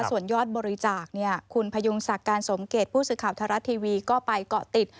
ส่วนยอดบริจาคคุณพยุงศักดิ์การสมเกตผู้สื่อข่าวไทยรัฐทีวีก็ไปเกาะติด